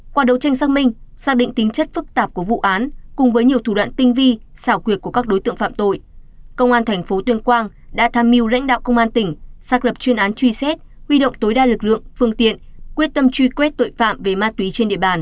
qua đấu tranh xác minh xác định tính chất phức tạp của vụ án cùng với nhiều thủ đoạn tinh vi xảo quyệt của các đối tượng phạm tội công an thành phố tuyên quang đã tham mưu lãnh đạo công an tỉnh xác lập chuyên án truy xét huy động tối đa lực lượng phương tiện quyết tâm truy quét tội phạm về ma túy trên địa bàn